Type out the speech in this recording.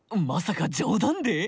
まさか冗談で？